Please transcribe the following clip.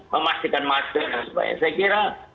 memastikan materi dan sebagainya saya kira